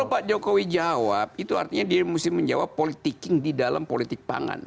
kalau pak jokowi jawab itu artinya dia mesti menjawab politiking di dalam politik pangan